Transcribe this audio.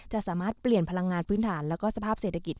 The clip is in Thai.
จะสามารถเปลี่ยนพลังงานพื้นฐานแล้วก็สภาพเศรษฐกิจ